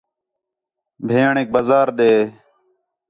بھیݨیک بازار ݙے